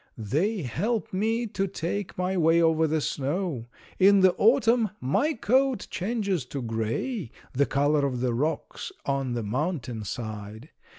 They help me to make my way over the snow. In the autumn my coat changes to gray the color of the rocks on the mountain side.